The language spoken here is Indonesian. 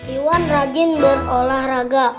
iwan rajin berolahraga